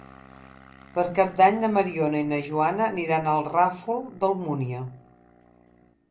Per Cap d'Any na Mariona i na Joana aniran al Ràfol d'Almúnia.